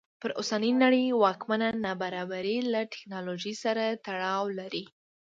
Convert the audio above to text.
پر اوسنۍ نړۍ واکمنه نابرابري له ټکنالوژۍ سره تړاو لري.